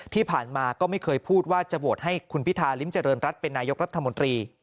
ที่ผ่านมาก็ไม่เคยพูดว่าจะโหวตให้คุณพิธาริมเจริญรัฐเป็นนายกรัฐมนตรี